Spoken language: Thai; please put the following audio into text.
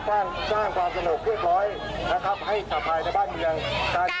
สร้างความสนุกเรียบร้อยให้สะพายในบ้านเมือง